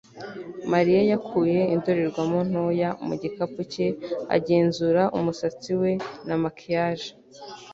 Mariya yakuye indorerwamo ntoya mu gikapu cye agenzura umusatsi we na maquillage